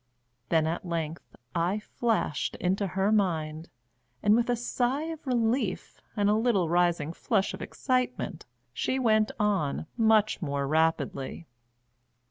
Then at length I flashed into her mind, and with a sigh of relief and a little rising flush of excitement she went on much more rapidly.